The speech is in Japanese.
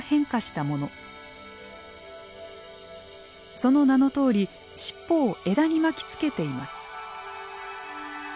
その名のとおり尻尾を枝に巻きつけています。